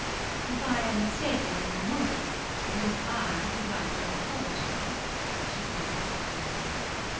'If I am mistaken in your motives it is I who have to apologize,' she said, quietly.